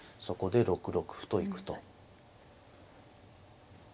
そこで６六歩と行くと。